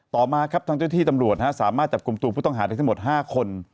ต่อมาครับทางเจ้าที่ตำรวจสามารถจับกลุ่มตัวผู้ต้องหาได้ทั้งหมด๕คน